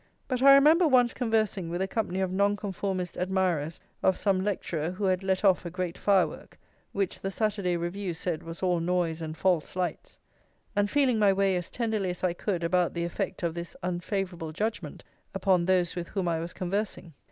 But I remember once conversing with a company of Nonconformist admirers of some lecturer who had let off a great fire work, which the Saturday Review said was all noise and false lights, and feeling my way as tenderly as I could about the effect of this unfavourable judgment upon those with whom I was conversing.